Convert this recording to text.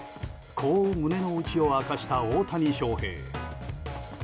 こう胸の内を明かした大谷翔平。